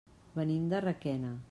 Venim de Requena.